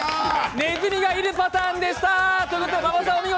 ねずみがいるパターンでしたということで馬場さんお見事。